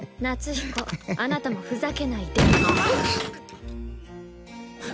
彦あなたもふざけないでぐふっ！